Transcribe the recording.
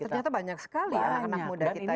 ternyata banyak sekali anak anak muda kita